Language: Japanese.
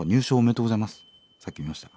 さっき見ました。